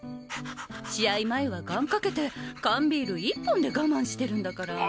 試合前は願かけて缶ビール１本でガマンしてるんだから。